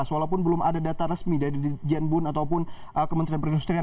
walaupun belum ada data resmi dari jenderal perkebunan indonesia ataupun kementerian perindustrian